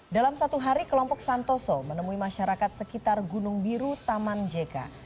dalam satu hari kelompok santoso menemui masyarakat sekitar gunung biru taman jk